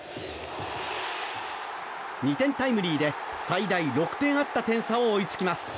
２点タイムリーで最大６点あった点差を追いつきます。